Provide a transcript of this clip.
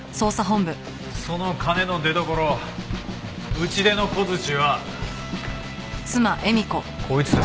その金の出どころ打ち出の小づちはこいつです。